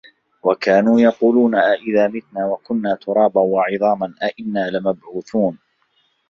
وَكانوا يَقولونَ أَئِذا مِتنا وَكُنّا تُرابًا وَعِظامًا أَإِنّا لَمَبعوثونَ